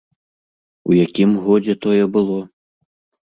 У якім годзе тое было?